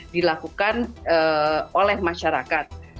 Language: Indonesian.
dilakukan dengan berat